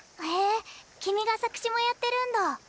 へえ君が作詞もやってるんだ？